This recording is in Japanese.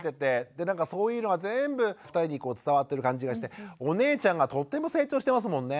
でそういうのが全部２人に伝わってる感じがしてお姉ちゃんがとても成長してますもんね。